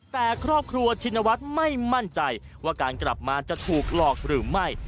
แต่ครอบครัวชินวัฒน์ไม่มั่นใจว่าการกลับมาจะถูกหลอกหรือไม่